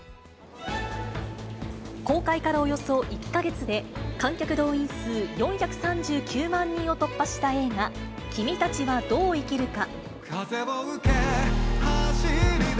公開からおよそ１か月で、観客動員数４３９万人を突破した映画、君たちはどう生きるか。